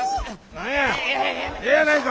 何やええやないか！